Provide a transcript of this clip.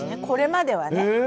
これまでは。